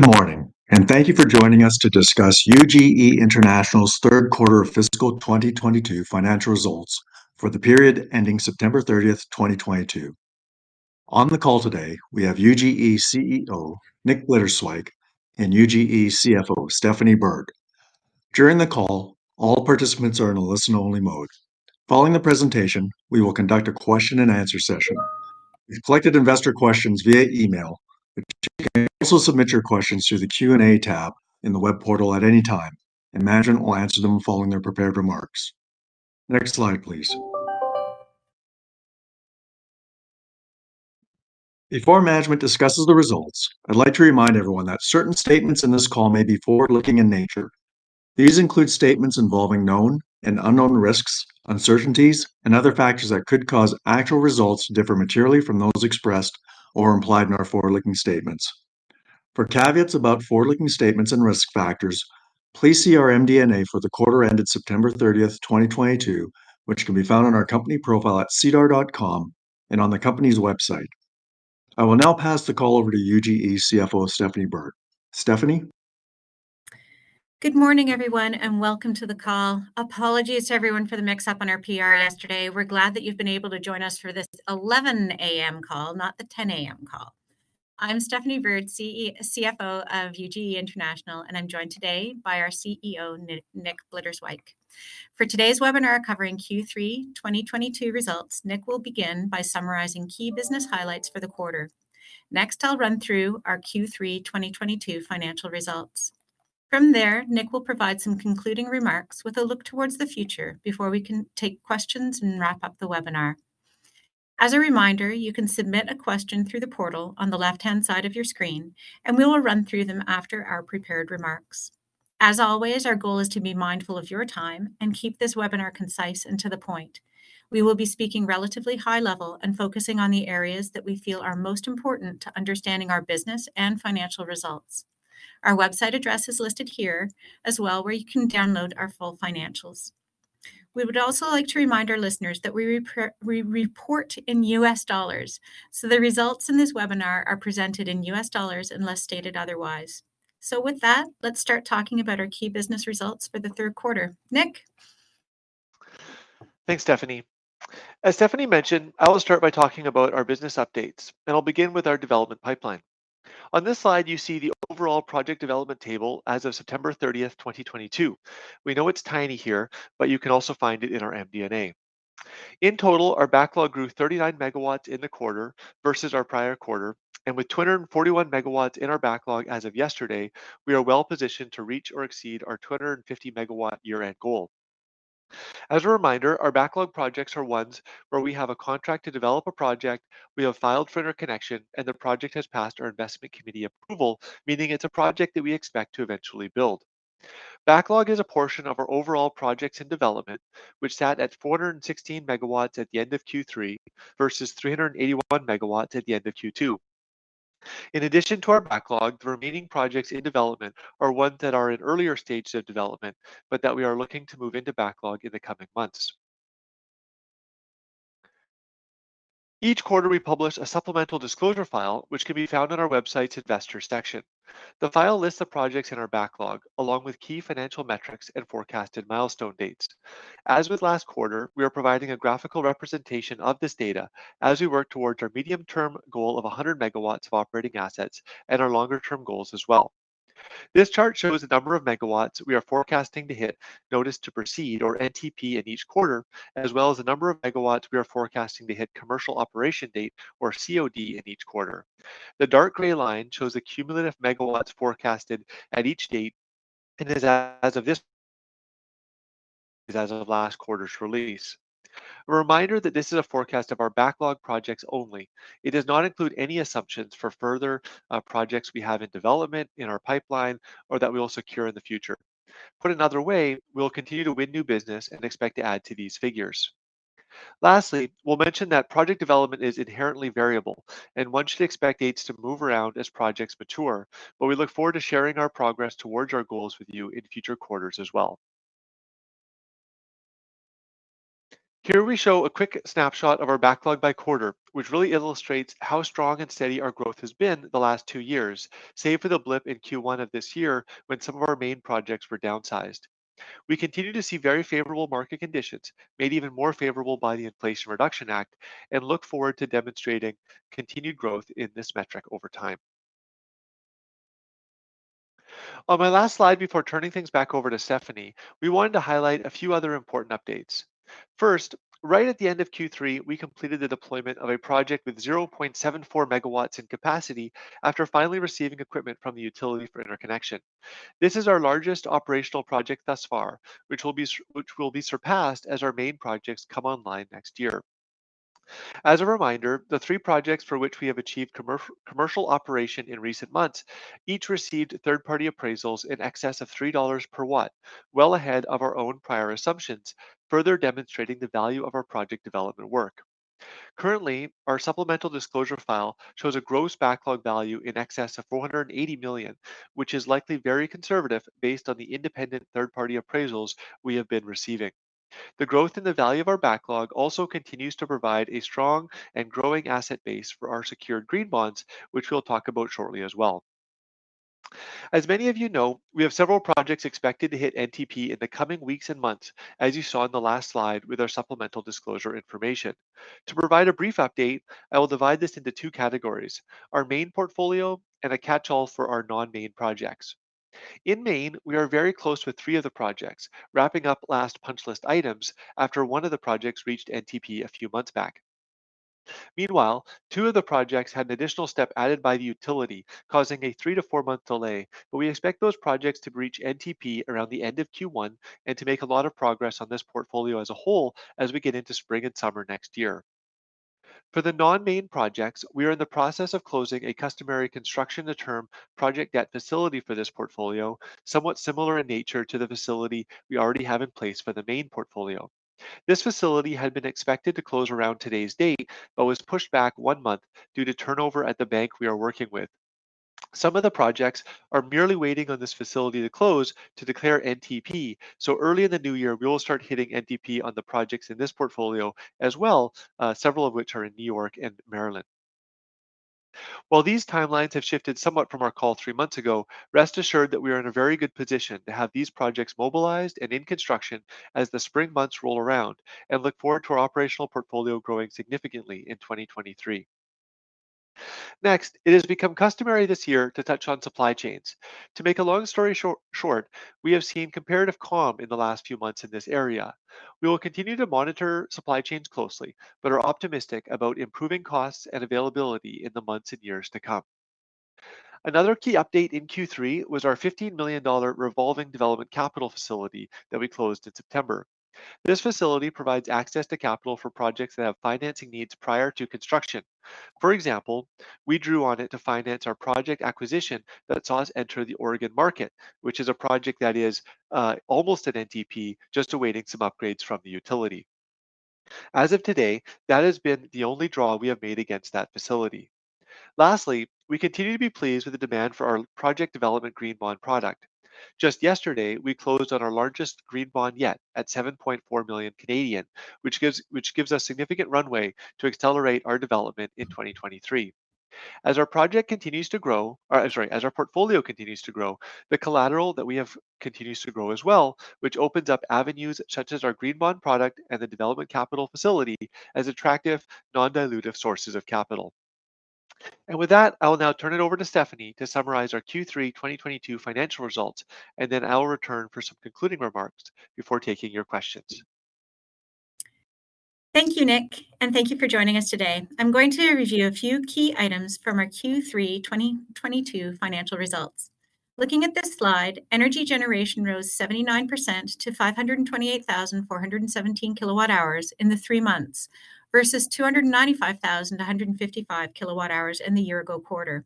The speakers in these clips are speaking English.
Good morning, and thank you for joining us to discuss UGE International's third quarter fiscal 2022 financial results for the period ending September 30, 2022. On the call today, we have UGE CEO, Nick Blitterswyk, and UGE CFO, Stephanie Bird. During the call, all participants are in a listen-only mode. Following the presentation, we will conduct a question and answer session. We've collected investor questions via email, but you can also submit your questions through the Q&A tab in the web portal at any time, and management will answer them following their prepared remarks. Next slide, please. Before management discusses the results, I'd like to remind everyone that certain statements in this call may be forward-looking in nature. These include statements involving known and unknown risks, uncertainties, and other factors that could cause actual results to differ materially from those expressed or implied in our forward-looking statements. For caveats about forward-looking statements and risk factors, please see our MD&A for the quarter ended September 30th, 2022, which can be found on our company profile at sedar.com and on the company's website. I will now pass the call over to UGE CFO, Stephanie Bird. Stephanie? Good morning, everyone, welcome to the call. Apologies to everyone for the mix-up on our PR yesterday. We're glad that you've been able to join us for this 11:00 A.M. call, not the 10:00 A.M. call. I'm Stephanie Bird, CFO of UGE International, I'm joined today by our CEO, Nick Blitterswyk. For today's webinar covering Q3, 2022 results, Nick will begin by summarizing key business highlights for the quarter. I'll run through our Q3, 2022 financial results. Nick will provide some concluding remarks with a look towards the future before we can take questions and wrap up the webinar. As a reminder, you can submit a question through the portal on the left-hand side of your screen, we will run through them after our prepared remarks. As always, our goal is to be mindful of your time and keep this webinar concise and to the point. We will be speaking relatively high level and focusing on the areas that we feel are most important to understanding our business and financial results. Our website address is listed here as well, where you can download our full financials. We would also like to remind our listeners that we report in U.S. dollars, so the results in this webinar are presented in U.S. dollars unless stated otherwise. With that, let's start talking about our key business results for the third quarter. Nick? Thanks, Stephanie. As Stephanie mentioned, I will start by talking about our business updates. I'll begin with our development pipeline. On this slide, you see the overall project development table as of September 30th, 2022. We know it's tiny here, you can also find it in our MD&A. In total, our backlog grew 39 MW in the quarter versus our prior quarter. With 241 MW in our backlog as of yesterday, we are well positioned to reach or exceed our 250-MW year-end goal. As a reminder, our backlog projects are ones where we have a contract to develop a project, we have filed for interconnection, and the project has passed our investment committee approval, meaning it's a project that we expect to eventually build. Backlog is a portion of our overall projects in development, which sat at 416 MW at the end of Q3 versus 381 MW at the end of Q2. In addition to our backlog, the remaining projects in development are ones that are in earlier stages of development, but that we are looking to move into backlog in the coming months. Each quarter, we publish a supplemental disclosure file, which can be found on our website's investor section. The file lists the projects in our backlog, along with key financial metrics and forecasted milestone dates. As with last quarter, we are providing a graphical representation of this data as we work towards our medium-term goal of 100 MW of operating assets and our longer term goals as well. This chart shows the number of megawatts we are forecasting to hit Notice to Proceed or NTP in each quarter, as well as the number of megawatts we are forecasting to hit Commercial Operation Date or COD in each quarter. The dark gray line shows the cumulative MW forecasted at each date and is as of last quarter's release. A reminder that this is a forecast of our backlog projects only. It does not include any assumptions for further projects we have in development in our pipeline or that we will secure in the future. Put another way, we'll continue to win new business and expect to add to these figures. Lastly, we'll mention that project development is inherently variable, and one should expect dates to move around as projects mature, but we look forward to sharing our progress towards our goals with you in future quarters as well. Here we show a quick snapshot of our backlog by quarter, which really illustrates how strong and steady our growth has been the last two years, save for the blip in Q1 of this year when some of our main projects were downsized. We continue to see very favorable market conditions, made even more favorable by the Inflation Reduction Act, and look forward to demonstrating continued growth in this metric over time. On my last slide before turning things back over to Stephanie, we wanted to highlight a few other important updates. Right at the end of Q3, we completed the deployment of a project with 0.74 MW in capacity after finally receiving equipment from the utility for interconnection. This is our largest operational project thus far, which will be surpassed as our main projects come online next year. As a reminder, the three projects for which we have achieved commercial operation in recent months each received third-party appraisals in excess of $3 per watt, well ahead of our own prior assumptions, further demonstrating the value of our project development work. Currently, our supplemental disclosure file shows a gross backlog value in excess of $480 million, which is likely very conservative based on the independent third-party appraisals we have been receiving. The growth in the value of our backlog also continues to provide a strong and growing asset base for our secured Green Bonds, which we'll talk about shortly as well. As many of you know, we have several projects expected to hit NTP in the coming weeks and months, as you saw in the last slide with our supplemental disclosure information. To provide a brief update, I will divide this into two categories, our main portfolio and a catch-all for our non-main projects. In main, we are very close with three of the projects, wrapping up last punch list items after one of the projects reached NTP a few months back. Meanwhile, two of the projects had an additional step added by the utility, causing a three- to four-month delay, but we expect those projects to reach NTP around the end of Q1 and to make a lot of progress on this portfolio as a whole as we get into spring and summer next year. For the non-main projects, we are in the process of closing a customary construction to term project debt facility for this portfolio, somewhat similar in nature to the facility we already have in place for the main portfolio. This facility had been expected to close around today's date, but was pushed back one month due to turnover at the bank we are working with. Some of the projects are merely waiting on this facility to close to declare NTP. Early in the new year, we will start hitting NTP on the projects in this portfolio as well, several of which are in New York and Maryland. While these timelines have shifted somewhat from our call three months ago, rest assured that we are in a very good position to have these projects mobilized and in construction as the spring months roll around and look forward to our operational portfolio growing significantly in 2023. It has become customary this year to touch on supply chains. To make a long story short, we have seen comparative calm in the last few months in this area. We will continue to monitor supply chains closely, but are optimistic about improving costs and availability in the months and years to come. Another key update in Q3 was our $15 million revolving development capital facility that we closed in September. This facility provides access to capital for projects that have financing needs prior to construction. For example, we drew on it to finance our project acquisition that saw us enter the Oregon market, which is a project that is almost at NTP, just awaiting some upgrades from the utility. As of today, that has been the only draw we have made against that facility. Lastly, we continue to be pleased with the demand for our project development Green Bond product. Just yesterday, we closed on our largest Green Bond yet at 7.4 million, which gives us significant runway to accelerate our development in 2023. As our project continues to grow—I'm sorry, as our portfolio continues to grow, the collateral that we have continues to grow as well, which opens up avenues such as our Green Bonds product and the development capital facility as attractive non-dilutive sources of capital. With that, I will now turn it over to Stephanie to summarize our Q3 2022 financial results, and then I will return for some concluding remarks before taking your questions. Thank you, Nick. Thank you for joining us today. I'm going to review a few key items from our Q3 2022 financial results. Looking at this slide, energy generation rose 79% to 528,417 kWh in the three months versus 295,155 kWh in the year ago quarter.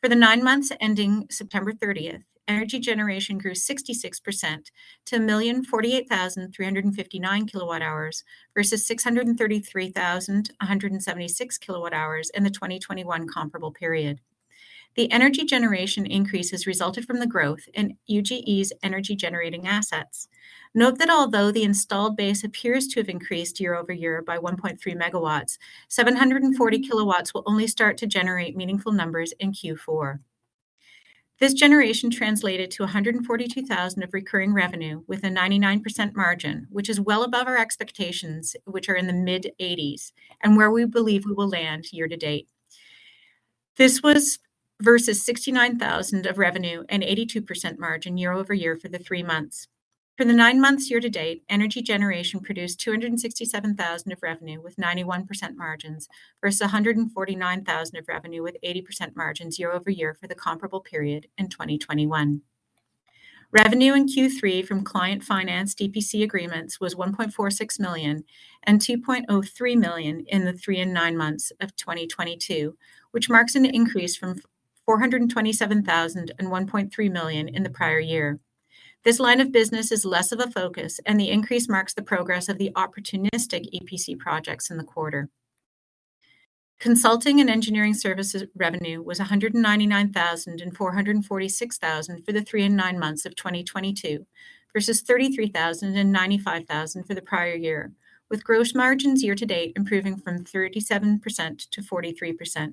For the nine months ending September 30th, energy generation grew 66% to 1,048,359 kWh versus 633,176 kWh in the 2021 comparable period. The energy generation increases resulted from the growth in UGE's energy generating assets. Note that although the installed base appears to have increased year-over-year by 1.3 MW, 740 kW will only start to generate meaningful numbers in Q4. This generation translated to $142,000 of recurring revenue with a 99% margin, which is well above our expectations, which are in the mid-80s, and where we believe we will land year-to-date. This was versus $69,000 of revenue and 82% margin year-over-year for the three months. For the nine months year-to-date, energy generation produced $267,000 of revenue with 91% margins versus $149,000 of revenue with 80% margins year-over-year for the comparable period in 2021. Revenue in Q3 from client finance EPC agreements was $1.46 million and $2.03 million in the three and nine months of 2022, which marks an increase from $427,000 and $1.3 million in the prior year. This line of business is less of a focus, and the increase marks the progress of the opportunistic EPC projects in the quarter. Consulting and Engineering services revenue was $199,000 and $446,000 for the three and nine months of 2022 versus $33,000 and $95,000 for the prior year, with gross margins year-to-date improving from 37% to 43%.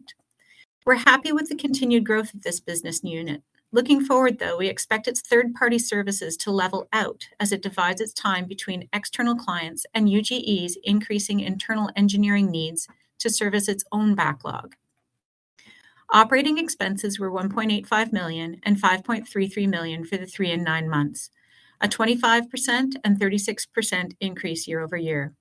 We're happy with the continued growth of this business unit. Looking forward, though, we expect its third-party services to level out as it divides its time between external clients and UGE International's increasing internal engineering needs to service its own backlog. Operating expenses were $1.85 million and $5.33 million for the three and nine months, a 25% and 36% increase year-over-year.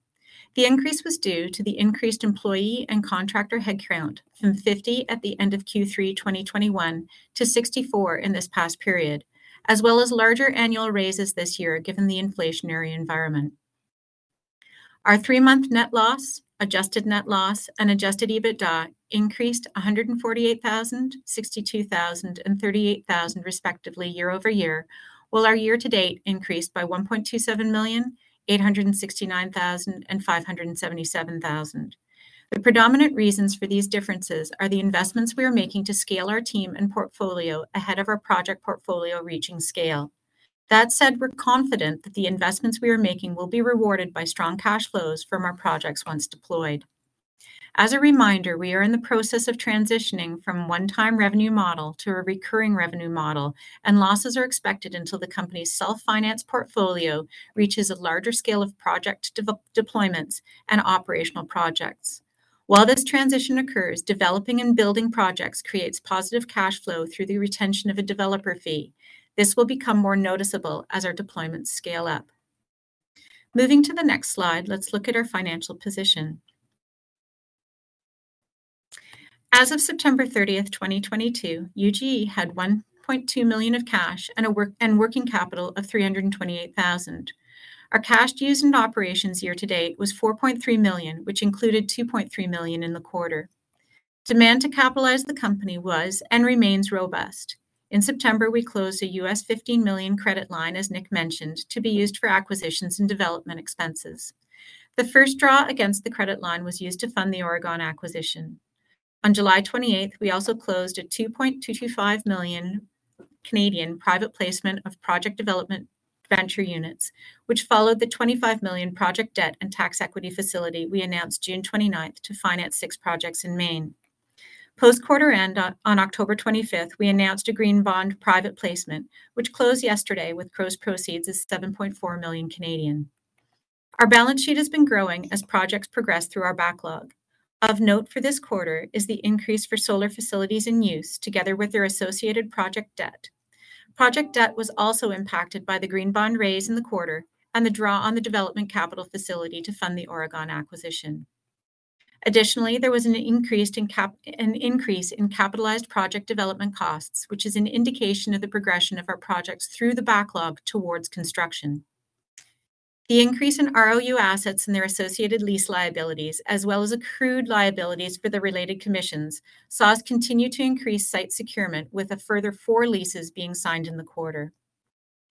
The increase was due to the increased employee and contractor headcount from 50 at the end of Q3 2021 to 64 in this past period, as well as larger annual raises this year given the inflationary environment. Our three-month net loss, adjusted net loss, and adjusted EBITDA increased $148,000, $62,000, and $38,000 respectively year-over-year, while our year-to-date increased by $1.27 million, $869,000, and $577,000. The predominant reasons for these differences are the investments we are making to scale our team and portfolio ahead of our project portfolio reaching scale. That said, we're confident that the investments we are making will be rewarded by strong cash flows from our projects once deployed. As a reminder, we are in the process of transitioning from one-time revenue model to a recurring revenue model, and losses are expected until the company's self-finance portfolio reaches a larger scale of project deployments and operational projects. While this transition occurs, developing and building projects creates positive cash flow through the retention of a developer fee. This will become more noticeable as our deployments scale up. Moving to the next slide, let's look at our financial position. As of September 30th, 2022, UGE had $1.2 million of cash and working capital of $328,000. Our cash used in operations year-to-date was $4.3 million, which included $2.3 million in the quarter. Demand to capitalize the company was and remains robust. In September, we closed a $15 million credit line, as Nick mentioned, to be used for acquisitions and development expenses. The first draw against the credit line was used to fund the Oregon acquisition. On July 28th, we also closed a 2.225 million private placement of project development debenture units, which followed the $25 million project debt and tax equity facility we announced June 29th to finance six projects in Maine. Post quarter end, on October 25th, we announced a Green Bonds private placement, which closed yesterday with gross proceeds of 7.4 million. Our balance sheet has been growing as projects progress through our backlog. Of note for this quarter is the increase for solar facilities in use together with their associated project debt. Project debt was also impacted by the Green Bonds raise in the quarter and the draw on the development capital facility to fund the Oregon acquisition. Additionally, there was an increase in capitalized project development costs, which is an indication of the progression of our projects through the backlog towards construction. The increase in ROU assets and their associated lease liabilities as well as accrued liabilities for the related commissions, saw us continue to increase site securement with a further four leases being signed in the quarter.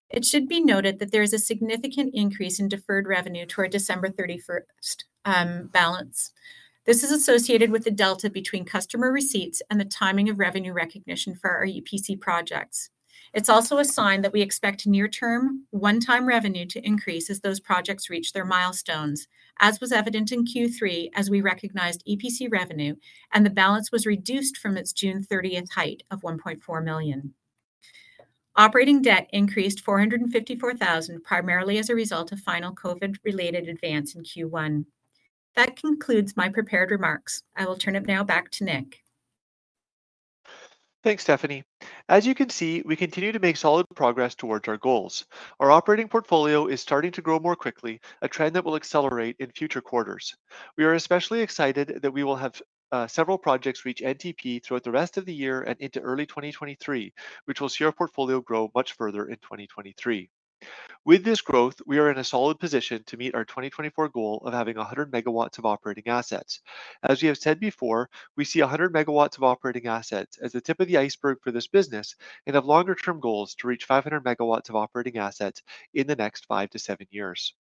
It should be noted that there is a significant increase in deferred revenue to our December 31st balance. This is associated with the delta between customer receipts and the timing of revenue recognition for our EPC projects. It's also a sign that we expect near term one-time revenue to increase as those projects reach their milestones, as was evident in Q3 as we recognized EPC revenue and the balance was reduced from its June 30th height of $1.4 million. Operating debt increased $454,000, primarily as a result of final COVID-related advance in Q1. That concludes my prepared remarks. I will turn it now back to Nick. Thanks, Stephanie. As you can see, we continue to make solid progress towards our goals. Our operating portfolio is starting to grow more quickly, a trend that will accelerate in future quarters. We are especially excited that we will have several projects reach NTP throughout the rest of the year and into early 2023, which will see our portfolio grow much further in 2023. With this growth, we are in a solid position to meet our 2024 goal of having 100 MW of operating assets. As we have said before, we see 100 MW of operating assets as the tip of the iceberg for this business and have longer-term goals to reach 500 MW of operating assets in the next five to seven years.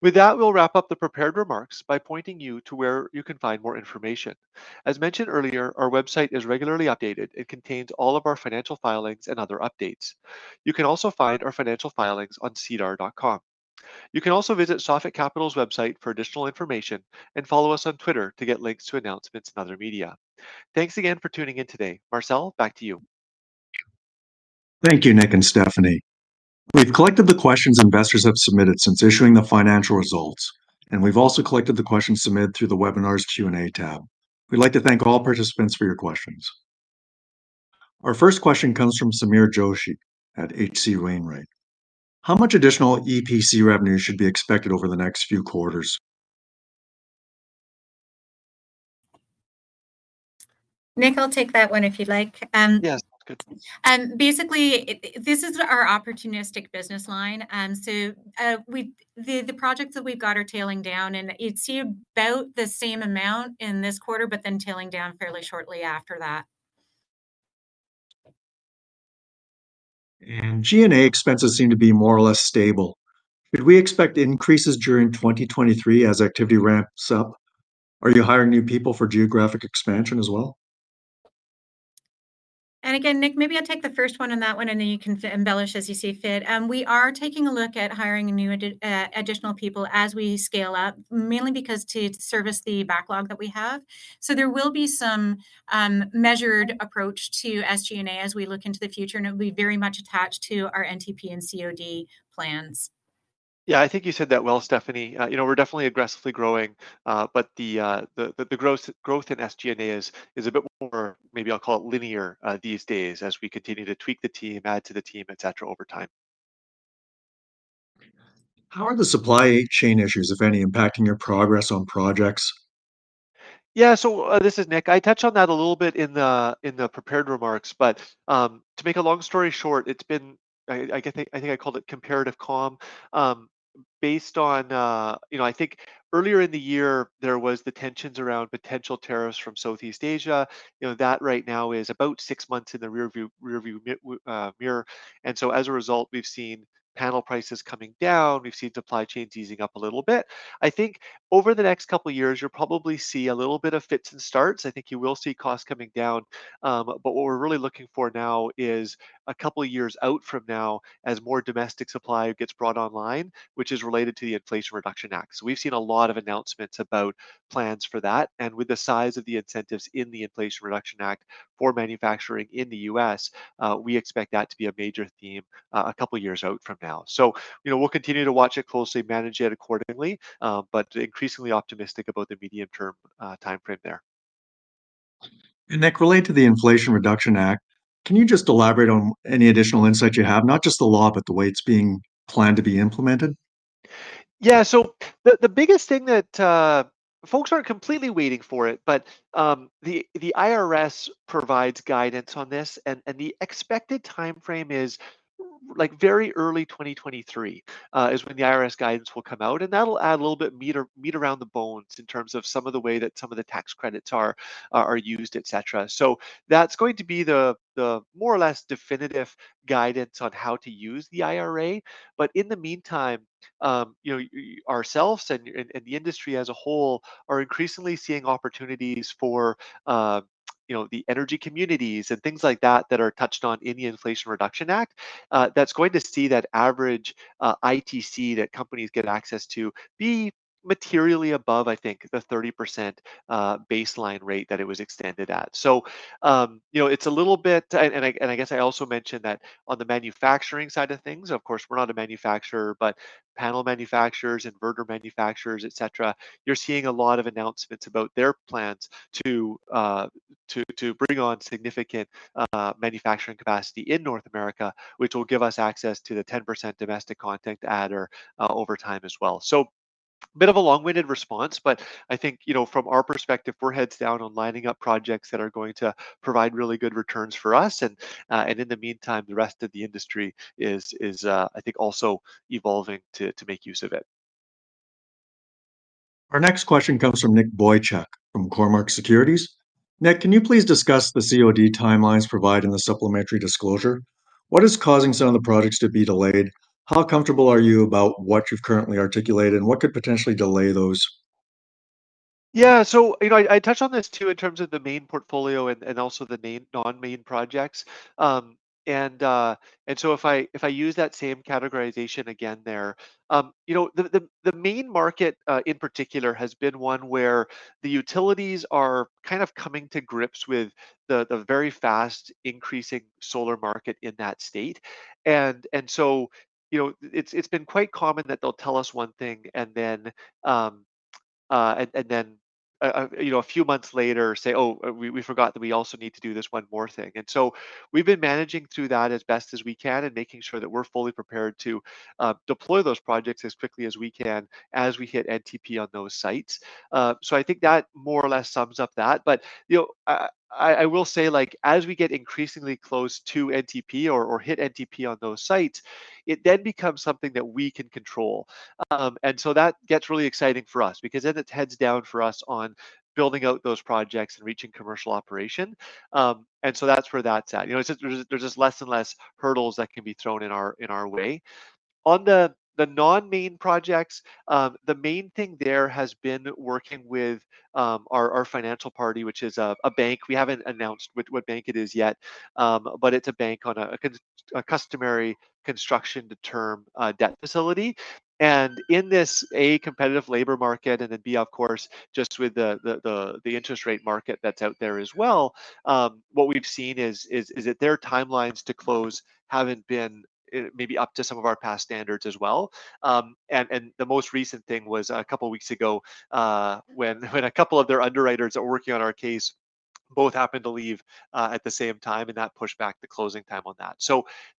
We'll wrap up the prepared remarks by pointing you to where you can find more information. As mentioned earlier, our website is regularly updated. It contains all of our financial filings and other updates. You can also find our financial filings on sedar.com. You can also visit Sophic Capital's website for additional information and follow us on Twitter to get links to announcements and other media. Thanks again for tuning in today. Marcel, back to you. Thank you, Nick and Stephanie. We've collected the questions investors have submitted since issuing the financial results, and we've also collected the questions submitted through the webinar's Q&A tab. We'd like to thank all participants for your questions. Our first question comes from Sameer Joshi at H.C. Wainwright. How much additional EPC revenue should be expected over the next few quarters? Nick, I'll take that one if you'd like. Yes, that's good. Basically, this is our opportunistic business line. The projects that we've got are tailing down, and you'd see about the same amount in this quarter, but then tailing down fairly shortly after that. G&A expenses seem to be more or less stable. Should we expect increases during 2023 as activity ramps up? Are you hiring new people for geographic expansion as well? Again, Nick, maybe I'll take the first one on that one, and then you can embellish as you see fit. We are taking a look at hiring new additional people as we scale up, mainly because to service the backlog that we have. There will be some measured approach to SG&A as we look into the future, and it'll be very much attached to our NTP and COD plans. Yeah, I think you said that well, Stephanie. You know, we're definitely aggressively growing, the growth in SG&A is a bit more, maybe I'll call it linear, these days as we continue to tweak the team, add to the team, et cetera, over time. How are the supply chain issues, if any, impacting your progress on projects? Yeah. This is Nick. I touched on that a little bit in the, in the prepared remarks, to make a long story short, it's been, I think, I think I called it "comparative calm." Based on, you know, I think earlier in the year there was the tensions around potential tariffs from Southeast Asia. You know, that right now is about six months in the rear view mirror. As a result, we've seen panel prices coming down, we've seen supply chains easing up a little bit. I think over the next couple years, you'll probably see a little bit of fits and starts. I think you will see costs coming down. What we're really looking for now is a couple years out from now as more domestic supply gets brought online, which is related to the Inflation Reduction Act. We've seen a lot of announcements about plans for that, and with the size of the incentives in the Inflation Reduction Act for manufacturing in the U.S., we expect that to be a major theme a couple years out from now. You know, we'll continue to watch it closely, manage it accordingly, but increasingly optimistic about the medium-term timeframe there. Nick, related to the Inflation Reduction Act, can you just elaborate on any additional insights you have? Not just the law, but the way it's being planned to be implemented. The biggest thing that folks aren't completely waiting for it, the IRS provides guidance on this and the expected timeframe is like very early 2023 is when the IRS guidance will come out, and that'll add a little meat around the bones in terms of some of the way that some of the tax credits are used, et cetera. That's going to be the more or less definitive guidance on how to use the IRA. In the meantime, you know, ourselves and the industry as a whole are increasingly seeing opportunities for, you know, the energy communities and things like that that are touched on in the Inflation Reduction Act. That's going to see that average ITC that companies get access to be materially above, I think the 30% baseline rate that it was extended at. You know, it's a little bit. I guess I also mentioned that on the manufacturing side of things, of course we're not a manufacturer, but panel manufacturers, inverter manufacturers, et cetera, you're seeing a lot of announcements about their plans to bring on significant manufacturing capacity in North America, which will give us access to the 10% domestic content adder over time as well. Bit of a long-winded response, but I think, you know, from our perspective, we're heads down on lining up projects that are going to provide really good returns for us. In the meantime, the rest of the industry is, I think also evolving to make use of it. Our next question comes from Nicholas Boychuk from Cormark Securities. Nick, can you please discuss the COD timelines provided in the supplementary disclosure? What is causing some of the projects to be delayed? How comfortable are you about what you've currently articulated, and what could potentially delay those? Yeah. You know, I touched on this too in terms of the Maine portfolio and also the non-Maine projects. If I, if I use that same categorization again there, you know, the Maine market in particular has been one where the utilities are kind of coming to grips with the very fast increasing solar market in that state. You know, it's been quite common that they'll tell us one thing and then, and then, you know, a few months later say, "Oh, we forgot that we also need to do this one more thing." We've been managing through that as best as we can and making sure that we're fully prepared to deploy those projects as quickly as we can as we hit NTP on those sites. I think that more or less sums up that. You know, I will say like, as we get increasingly close to NTP or hit NTP on those sites, it then becomes something that we can control. That gets really exciting for us because then it's heads down for us on building out those projects and reaching commercial operation. That's where that's at. You know, there's just less and less hurdles that can be thrown in our way. On the non-main projects, the main thing there has been working with our financial party, which is a bank. We haven't announced what bank it is yet. It's a bank on a customary construction-to-permanent debt facility. In this, A, competitive labor market, and then B, of course, just with the interest rate market that's out there as well, what we've seen is that their timelines to close haven't been maybe up to some of our past standards as well. The most recent thing was a couple weeks ago, when a couple of their underwriters that were working on our case both happened to leave, at the same time, that pushed back the closing time on that.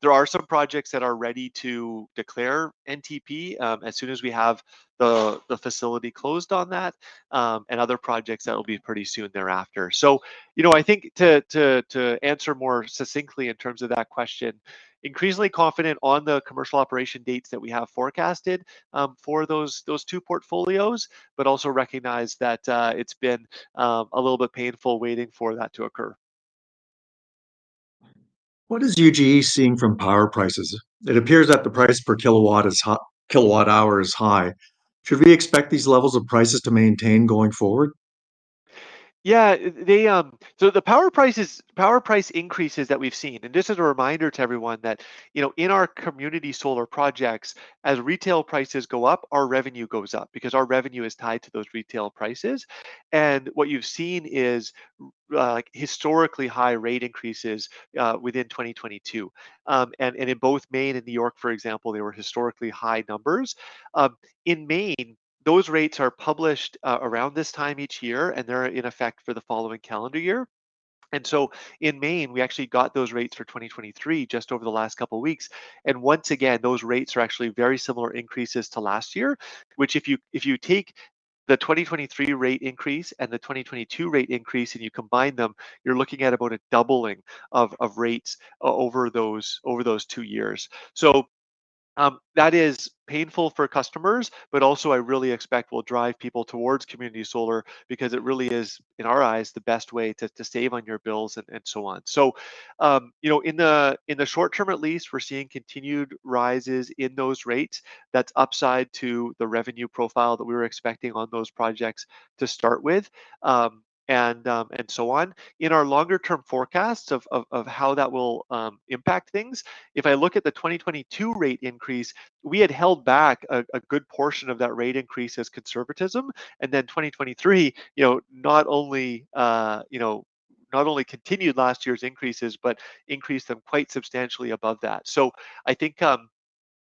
There are some projects that are ready to declare NTP, as soon as we have the facility closed on that, and other projects that'll be pretty soon thereafter. You know, I think to answer more succinctly in terms of that question, increasingly confident on the commercial operation dates that we have forecasted, for those two portfolios, also recognize that, it's been a little bit painful waiting for that to occur. What is UGE seeing from power prices? It appears that the price per kilowatt hour is high. Should we expect these levels of prices to maintain going forward? Yeah. The power prices, power price increases that we've seen, and this is a reminder to everyone that, you know, in our community solar projects, as retail prices go up, our revenue goes up because our revenue is tied to those retail prices. What you've seen is historically high rate increases within 2022. And in both Maine and New York, for example, they were historically high numbers. In Maine, those rates are published around this time each year, and they're in effect for the following calendar year. In Maine, we actually got those rates for 2023 just over the last couple weeks. Once again, those rates are actually very similar increases to last year, which if you take the 2023 rate increase and the 2022 rate increase, if you combine them, you're looking at about a doubling of rates over those, over those two years. That is painful for customers, but also I really expect will drive people towards community solar because it really is, in our eyes, the best way to save on your bills and so on. you know, in the short term, at least, we're seeing continued rises in those rates. That's upside to the revenue profile that we were expecting on those projects to start with, and so on. In our longer-term forecasts of how that will impact things, if I look at the 2022 rate increase, we had held back a good portion of that rate increase as conservatism. And then, 2023, you know, not only continued last year's increases, but increased them quite substantially above that. I think,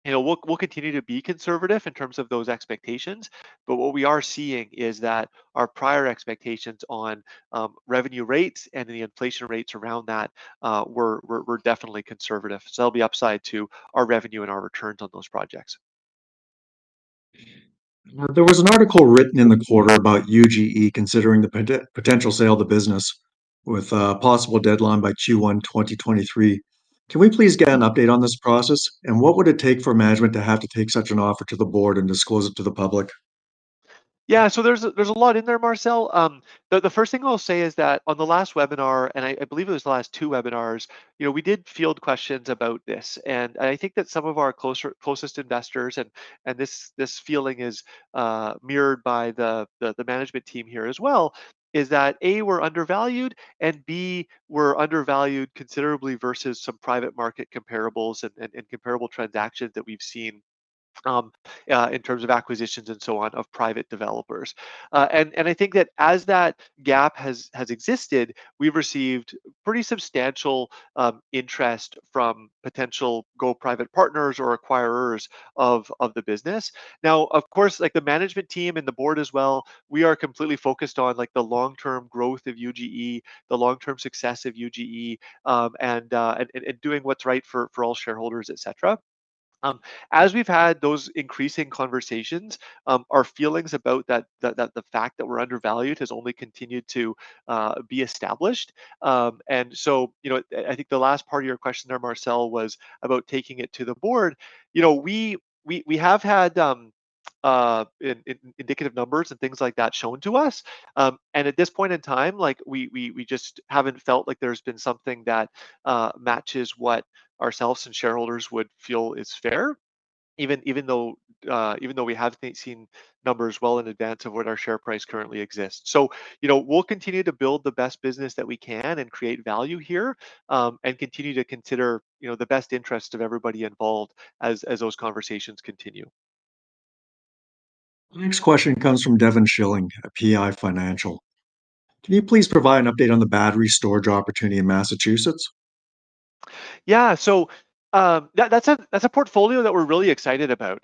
you know, we'll continue to be conservative in terms of those expectations, but what we are seeing is that our prior expectations on revenue rates and the inflation rates around that were definitely conservative. That'll be upside to our revenue and our returns on those projects. There was an article written in the quarter about UGE considering the potential sale of the business with a possible deadline by Q1 2023. Can we please get an update on this process? What would it take for management to have to take such an offer to the board and disclose it to the public? Yeah. There's a lot in there, Marcel. The first thing I'll say is that on the last webinar, and I believe it was the last two webinars, you know, we did field questions about this. I think that some of our closest investors, and this feeling is mirrored by the management team here as well, is that, A, we're undervalued, and B, we're undervalued considerably versus some private market comparables and comparable transactions that we've seen in terms of acquisitions and so on of private developers. I think that as that gap has existed, we've received pretty substantial interest from potential go private partners or acquirers of the business. Now, of course, like the management team and the board as well, we are completely focused on, like, the long-term growth of UGE, the long-term success of UGE, and doing what's right for all shareholders, et cetera. As we've had those increasing conversations, our feelings about that the fact that we're undervalued has only continued to be established. You know, I think the last part of your question there, Marcel, was about taking it to the board. You know, we have had indicative numbers and things like that shown to us. At this point in time, like we just haven't felt like there's been something that matches what ourselves and shareholders would feel is fair, even though we have seen numbers well in advance of what our share price currently exists. You know, we'll continue to build the best business that we can and create value here, and continue to consider, you know, the best interest of everybody involved as those conversations continue. The next question comes from Devin Schilling at PI Financial. Can you please provide an update on the battery storage opportunity in Massachusetts? Yeah. That's a portfolio that we're really excited about.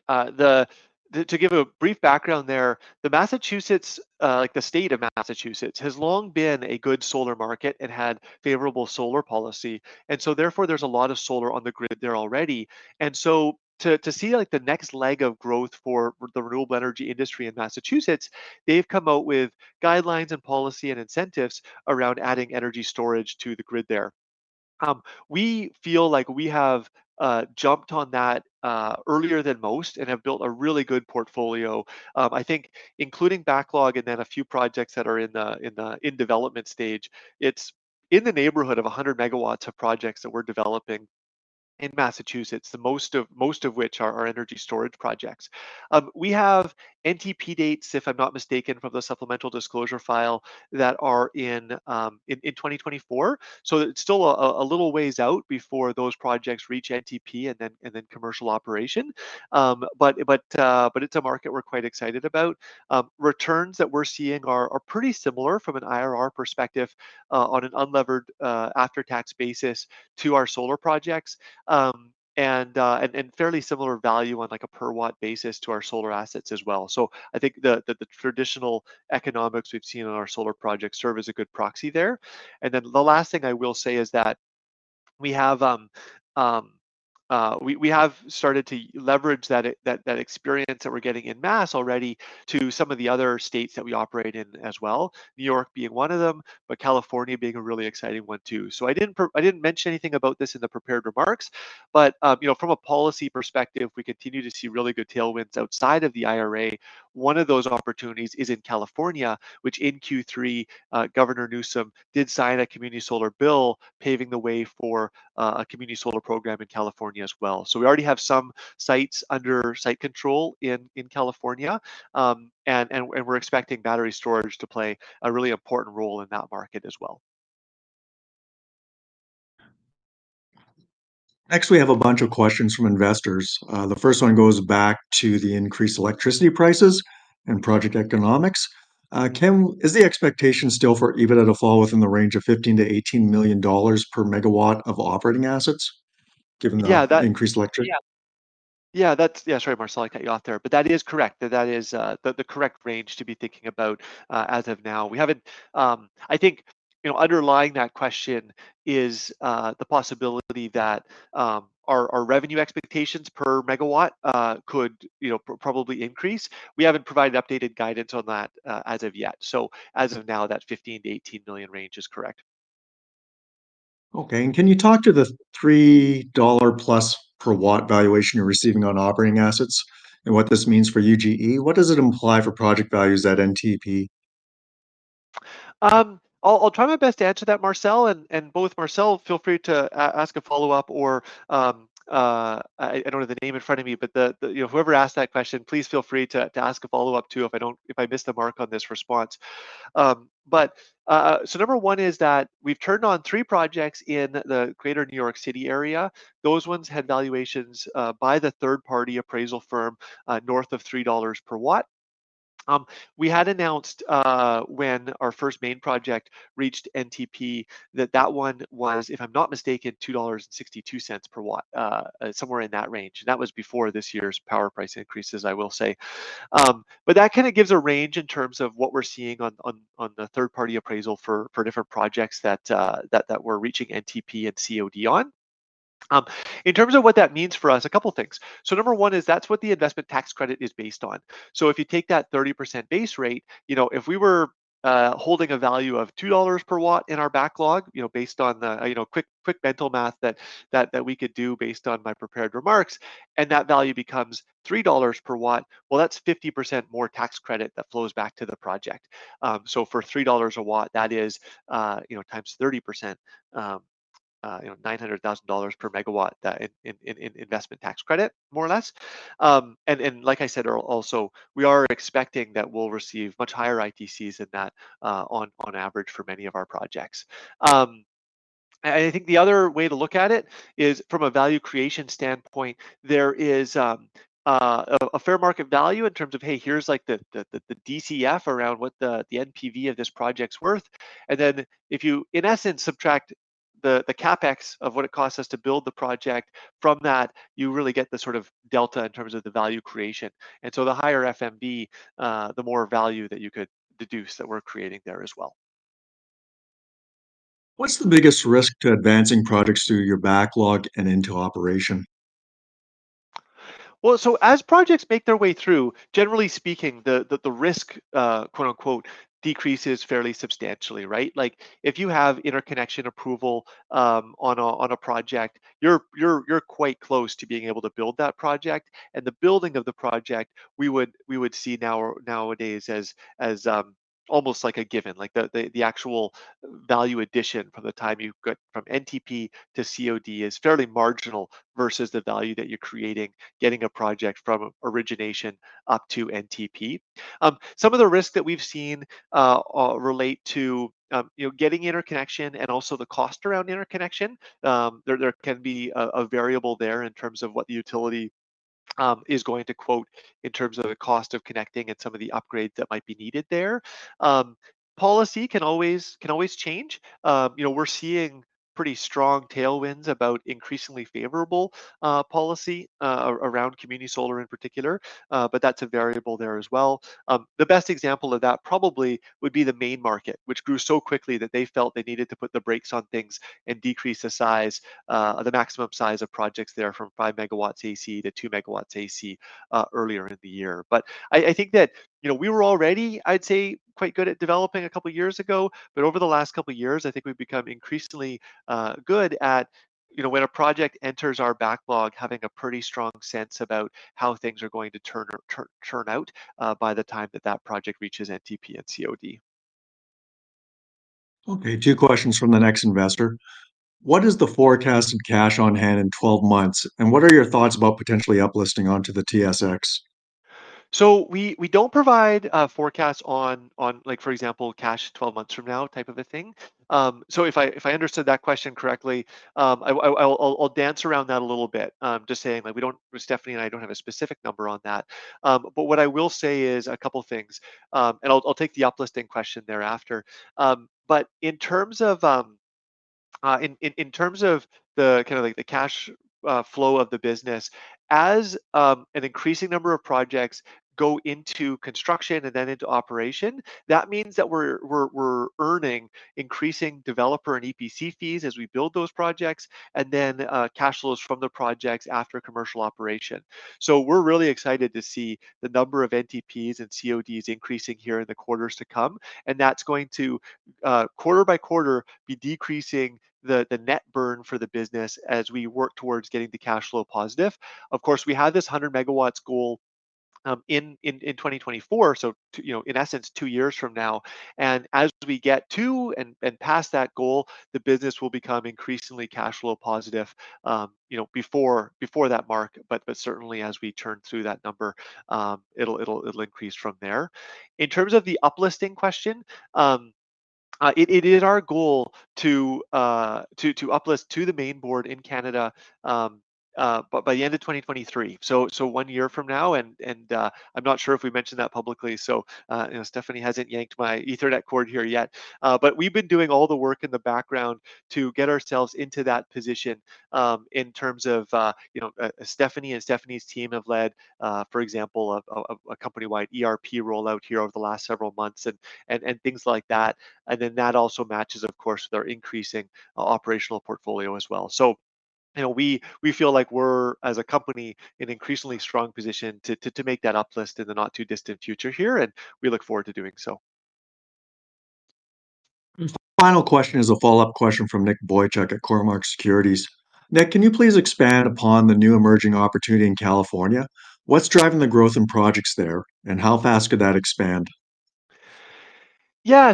To give a brief background there, the Massachusetts, like the state of Massachusetts, has long been a good solar market and had favorable solar policy. Therefore, there's a lot of solar on the grid there already. To see like the next leg of growth for the renewable energy industry in Massachusetts, they've come out with guidelines and policy and incentives around adding energy storage to the grid there. We feel like we have jumped on that earlier than most and have built a really good portfolio. I think including backlog and then a few projects that are in the development stage, it's in the neighborhood of 100 MW of projects that we're developing in Massachusetts. Most of which are energy storage projects. We have NTP dates, if I'm not mistaken, from the supplemental disclosure file that are in 2024. It's still a little ways out before those projects reach NTP and then commercial operation. It's a market we're quite excited about. Returns that we're seeing are pretty similar from an IRR perspective on an unlevered after-tax basis to our solar projects. And fairly similar value on like a per-watt basis to our solar assets as well. I think the traditional economics we've seen on our solar projects serve as a good proxy there. The last thing I will say is that we have started to leverage that experience that we're getting en masse already to some of the other states that we operate in as well, New York being one of them, but California being a really exciting one, too. I didn't mention anything about this in the prepared remarks, but, you know, from a policy perspective, we continue to see really good tailwinds outside of the IRA. One of those opportunities is in California, which in Q3, Gavin Newsom did sign a community solar bill, paving the way for a community solar program in California as well. We already have some sites under site control in California, and we're expecting battery storage to play a really important role in that market as well. Next, we have a bunch of questions from investors. The first one goes back to the increased electricity prices and project economics. Can—is the expectation still for EBITDA to fall within the range of $15 million-$18 million per megawatt of operating assets? Yeah. Increased electric? Yeah. Yeah, sorry, Marcel, I cut you off there. That is correct. That is the correct range to be thinking about as of now. We haven't. You know, underlying that question is the possibility that our revenue expectations per megawatt could, you know, probably increase. We haven't provided updated guidance on that as of yet. As of now, that $15 million-$18 million range is correct. Okay. Can you talk to the $3+ per watt valuation you're receiving on operating assets and what this means for UGE? What does it imply for project values at NTP? I'll try my best to answer that Marcel. Both Marcel feel free to ask a follow-up or, I don't have the name in front of me, but the, you know, whoever asked that question, please feel free to ask a follow-up too if I miss the mark on this response. Number one is that we've turned on three projects in the greater New York City area. Those ones had valuations by the third party appraisal firm north of $3 per watt. We had announced when our first main project reached NTP that one was, if I'm not mistaken, $2.62 per watt somewhere in that range. That was before this year's power price increases, I will say. That kind of gives a range in terms of what we're seeing on the third party appraisal for different projects that we're reaching NTP and COD on. In terms of what that means for us, a couple things. Number one is that's what the investment tax credit is based on. If you take that 30% base rate, you know, if we were holding a value of $2 per watt in our backlog, you know, based on the, you know, quick mental math that we could do based on my prepared remarks, and that value becomes $3 per watt, well, that's 50% more tax credit that flows back to the project. For $3 a watt, that is, you know, times 30%, you know, $900,000 per megawatt that in investment tax credit, more or less. Like I said, also, we are expecting that we'll receive much higher ITCs than that, on average for many of our projects. I think the other way to look at it is from a value creation standpoint, there is, a fair market value in terms of, hey, here's like the DCF around what the NPV of this project's worth. If you in essence subtract the CapEx of what it costs us to build the project from that, you really get the sort of delta in terms of the value creation. The higher FMV, the more value that you could deduce that we're creating there as well. What's the biggest risk to advancing projects through your backlog and into operation? As projects make their way through, generally speaking, the risk, quote unquote, "decreases fairly substantially," right? Like, if you have interconnection approval on a project, you're quite close to being able to build that project. The building of the project, we would see nowadays as almost like a given. Like, the actual value addition from the time you get from NTP to COD is fairly marginal versus the value that you're creating getting a project from origination up to NTP. Some of the risks that we've seen relate to, you know, getting interconnection and also the cost around interconnection. There, there can be a variable there in terms of what the utility is going to quote in terms of the cost of connecting and some of the upgrades that might be needed there. Policy can always change. You know, we're seeing pretty strong tailwinds about increasingly favorable policy around community solar in particular. That's a variable there as well. The best example of that probably would be the main market, which grew so quickly that they felt they needed to put the brakes on things and decrease the size, the maximum size of projects there from 5 MW AC to 2 MW AC earlier in the year. I think that, you know, we were already, I'd say, quite good at developing a couple years ago. Over the last couple years, I think we've become increasingly good at, you know, when a project enters our backlog, having a pretty strong sense about how things are going to turn out by the time that that project reaches NTP and COD. Okay, two questions from the next investor. What is the forecast of cash on hand in 12 months, and what are your thoughts about potentially up-listing onto the TSX? We don't provide forecasts on, like for example, cash 12 months from now type of a thing. If I understood that question correctly, I'll dance around that a little bit. Just saying, like Stephanie and I don't have a specific number on that. What I will say is a couple things, and I'll take the up-listing question thereafter. In terms of, in terms of the kinda like the cash flow of the business, as an increasing number of projects go into construction and then into operation, that means that we're earning increasing developer and EPC fees as we build those projects, and then cash flows from the projects after commercial operation. We're really excited to see the number of NTPs and CODs increasing here in the quarters to come, and that's going to quarter by quarter be decreasing the net burn for the business as we work towards getting the cash flow positive. Of course, we have this 100 MW goal in 2024, so, you know, in essence two years from now. As we get to and past that goal, the business will become increasingly cash flow positive, you know, before that mark. Certainly as we turn through that number, it'll increase from there. In terms of the up-listing question, it is our goal to up-list to the main board in Canada by the end of 2023, so one year from now. I'm not sure if we mentioned that publicly, you know, Stephanie hasn't yanked my Ethernet cord here yet. We've been doing all the work in the background to get ourselves into that position, in terms of, you know, Stephanie and Stephanie's team have led, for example, a company-wide ERP rollout here over the last several months and things like that. That also matches of course with our increasing operational portfolio as well. You know, we feel like we're, as a company, in increasingly strong position to make that up list in the not too distant future here, and we look forward to doing so. Final question is a follow-up question from Nicholas Boychuk at Cormark Securities. Nick, can you please expand upon the new emerging opportunity in California? What's driving the growth in projects there, and how fast could that expand? Yeah.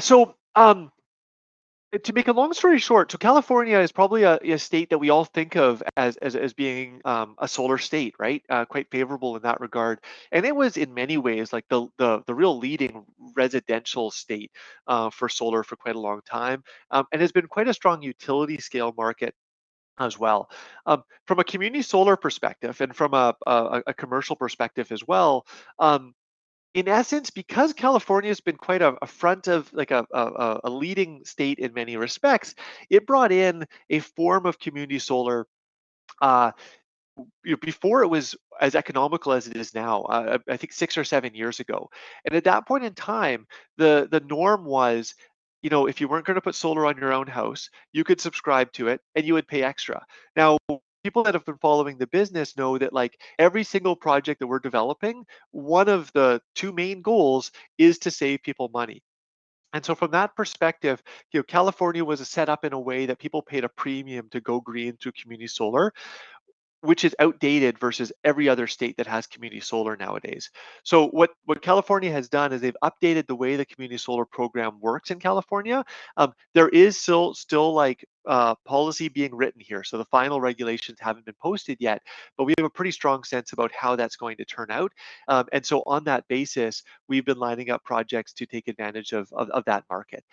To make a long story short, California is probably a state that we all think of as being a solar state, right? Quite favorable in that regard. It was, in many ways, like, the real leading residential state for solar for quite a long time, and has been quite a strong utility scale market as well. From a community solar perspective and from a commercial perspective as well, in essence, because California's been quite a front of like a leading state in many respects, it brought in a form of community solar before it was as economical as it is now, I think six or seven years ago. At that point in time, the norm was, you know, if you weren't going to put solar on your own house, you could subscribe to it and you would pay extra. Now, people that have been following the business know that, like, every single project that we're developing, one of the two main goals is to save people money. From that perspective, you know, California was set up in a way that people paid a premium to go green through community solar, which is outdated versus every other state that has community solar nowadays. What California has done is they've updated the way the community solar program works in California. There is still like policy being written here, so the final regulations haven't been posted yet. We have a pretty strong sense about how that's going to turn out. On that basis, we've been lining up projects to take advantage of that market.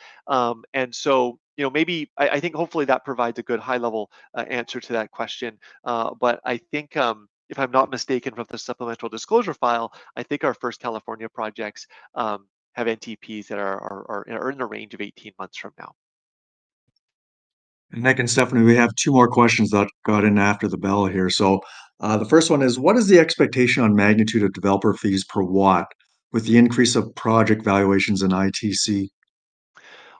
You know, maybe I think hopefully that provides a good high-level answer to that question. I think if I'm not mistaken from the supplemental disclosure file, I think our first California projects have NTPs that are in a range of 18 months from now. Nick and Stephanie, we have two more questions that got in after the bell here. The first one is: What is the expectation on magnitude of developer fees per watt with the increase of project valuations in ITC?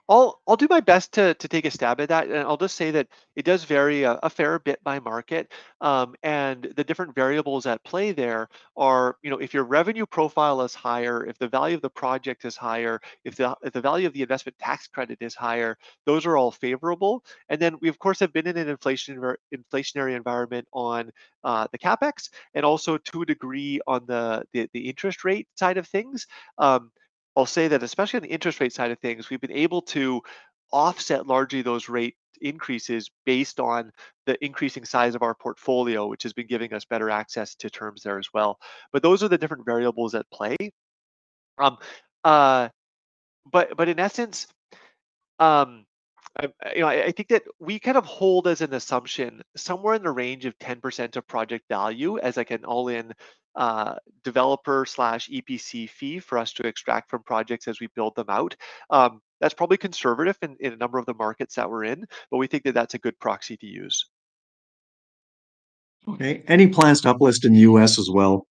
I'll do my best to take a stab at that, I'll just say that it does vary a fair bit by market. The different variables at play there are, you know, if your revenue profile is higher, if the value of the project is higher, if the value of the investment tax credit is higher, those are all favorable. We of course have been in an inflationary environment on the CapEx and also to a degree on the interest rate side of things. I'll say that especially on the interest rate side of things, we've been able to offset largely those rate increases based on the increasing size of our portfolio, which has been giving us better access to terms there as well. Those are the different variables at play. In essence, you know, I think that we kind of hold as an assumption somewhere in the range of 10% of project value as like an all-in, developer/EPC fee for us to extract from projects as we build them out. That's probably conservative in a number of the markets that we're in, but we think that that's a good proxy to use. Okay. Any plans to uplist in the U.S. as well?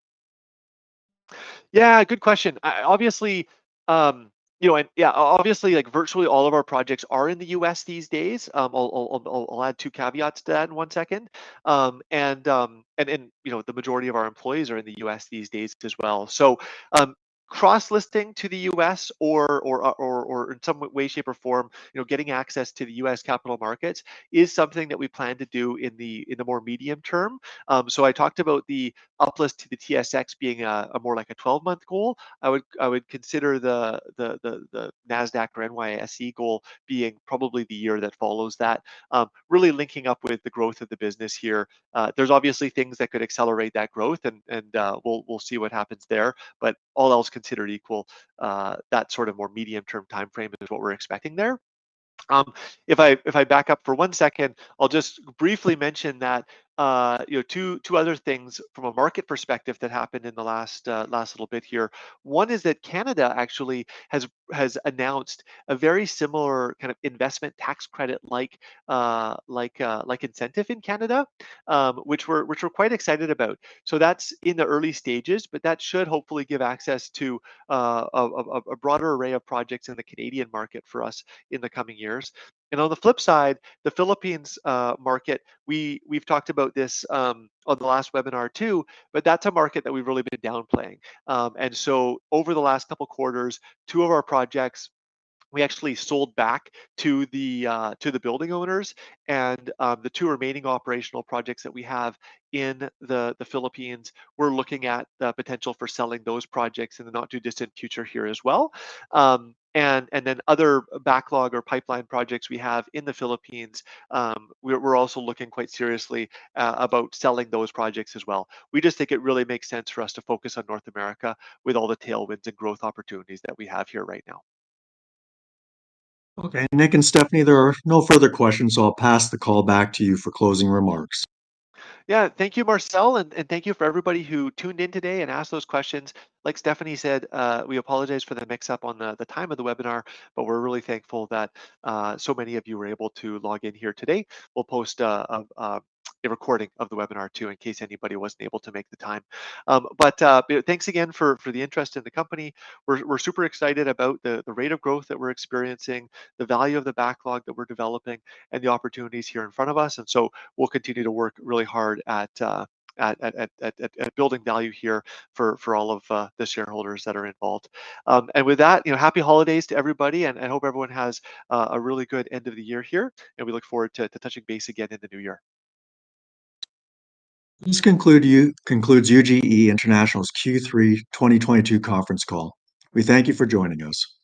Yeah, good question. Obviously, you know, and yeah, obviously, like, virtually all of our projects are in the U.S. these days. I'll add two caveats to that in one second. And, you know, the majority of our employees are in the U.S. these days as well. Cross-listing to the U.S. or in some way, shape, or form, you know, getting access to the U.S. capital markets is something that we plan to do in the more medium term. I talked about the uplist to the TSX being a more like a 12-month goal. I would consider the Nasdaq or NYSE goal being probably the year that follows that. Really linking up with the growth of the business here. There's obviously things that could accelerate that growth and we'll see what happens there. All else considered equal, that sort of more medium-term timeframe is what we're expecting there. If I back up for one second, I'll just briefly mention that, you know, two other things from a market perspective that happened in the last little bit here. One is that Canada actually has announced a very similar kind of investment tax credit, like incentive in Canada, which we're quite excited about. That's in the early stages, but that should hopefully give access to a broader array of projects in the Canadian market for us in the coming years. On the flip side, the Philippines market, we've talked about this on the last webinar too, but that's a market that we've really been downplaying. Over the last couple quarters, two of our projects we actually sold back to the building owners. The two remaining operational projects that we have in the Philippines, we're looking at the potential for selling those projects in the not too distant future here as well. Then other backlog or pipeline projects we have in the Philippines, we're also looking quite seriously about selling those projects as well. We just think it really makes sense for us to focus on North America with all the tailwinds and growth opportunities that we have here right now. Okay. Nick and Stephanie, there are no further questions. I'll pass the call back to you for closing remarks. Yeah. Thank you, Marcel, and thank you for everybody who tuned in today and asked those questions. Like Stephanie said, we apologize for the mix-up on the time of the webinar, we're really thankful that so many of you were able to log in here today. We'll post a recording of the webinar too in case anybody wasn't able to make the time. You know, thanks again for the interest in the company. We're super excited about the rate of growth that we're experiencing, the value of the backlog that we're developing, and the opportunities here in front of us. We'll continue to work really hard at building value here for all of the shareholders that are involved. With that, you know, happy holidays to everybody, and hope everyone has a really good end of the year here, and we look forward to touching base again in the new year. This concludes UGE International's Q3 2022 conference call. We thank you for joining us.